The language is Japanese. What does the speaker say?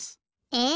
え！